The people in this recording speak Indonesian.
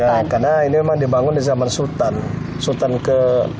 ya karena ini memang dibangun di zaman sultan sultan ke